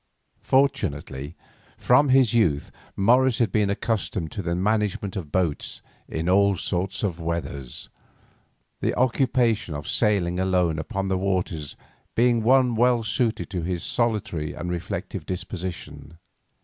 Fortunately, from his youth Morris had been accustomed to the management of boats in all sorts of weather, the occupation of sailing alone upon the waters being one well suited to his solitary and reflective disposition.